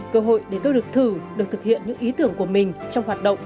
cơ hội để tôi được thử được thực hiện những ý tưởng của mình trong hoạt động